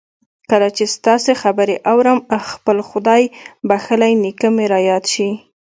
کله چې ستاسې خبرې آورم خپل خدای بخښلی نېکه مې را یاد شي